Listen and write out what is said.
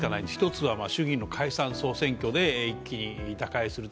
１つは衆議院の解散総選挙で一気に打開する。